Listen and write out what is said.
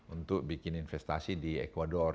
untuk bikin investasi di ecuador